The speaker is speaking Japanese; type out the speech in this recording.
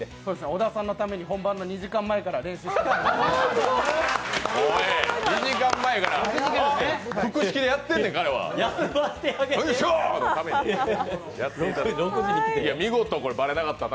小田さんのために本番の２時間前から練習しました。